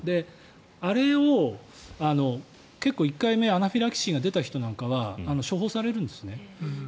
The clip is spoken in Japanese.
あれを１回目アナフィラキシーが出た人なんかは処方されるんですよね。